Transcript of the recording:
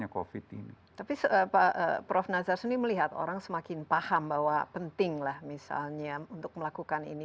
tapi prof nazar suni melihat orang semakin paham bahwa pentinglah misalnya untuk melakukan ini